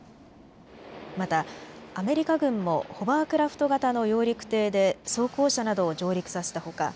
またアメリカ軍もホバークラフト型の揚陸艇で装甲車などを上陸させたほか